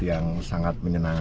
yang sangat menyenangkan